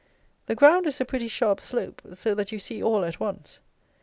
The ground is a pretty sharp slope, so that you see all at once.